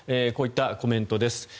こういったコメントです。